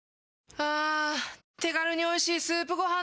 あ手軽に美味しいスープごはん